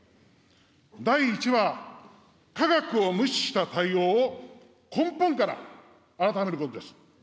第１は、科学を無視した対応を根本から改めることです。